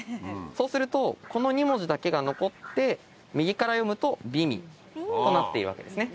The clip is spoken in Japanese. そうするとこの２文字だけが残って右から読むと「美味」となっているわけですね。